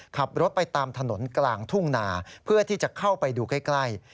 ขับรถไปตามถนนกลางทุ่งนาเพื่อที่จะเข้าไปดูใกล้